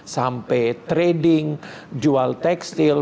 sampai trading jual tekstil